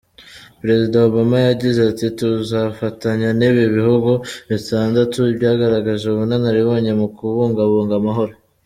Perezida Obama yagize ati “Tuzafatanya n’ibi bihugu bitandatu byagaragaje ubunararibonye mu kubungabunga amahoro.